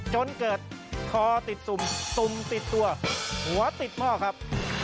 จนเกิดคอติดสุ่มตุ่มติดตัวหัวติดหม้อครับ